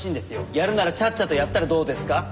やるならちゃっちゃとやったらどうですか？